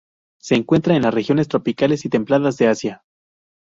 Se encuentra en las regiones tropicales y templadas de Asia.